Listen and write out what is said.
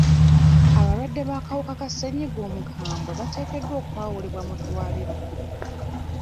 Abalwadde b'akawuka ka ssenyiga omukambwe bateekeddwa okwawulibwa mu ddwaliro?